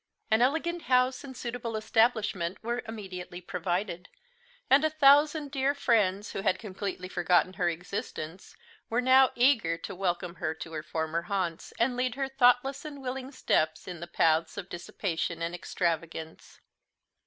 An elegant house and suitable establishment were immediately provided; and a thousand dear friends, who had completely forgotten her existence, were now eager to welcome her to her former haunts, and lead her thoughtless and willing steps in the paths of dissipation and extravagance.